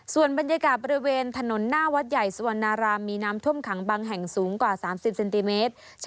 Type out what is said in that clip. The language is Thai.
ส่วนบรรยากาศบริเวณถนนหน้าวัดใหญ่สวรรณารามมีน้ำท่วมขังบางแห่งสูงกว่า๓๐เซนติเมตร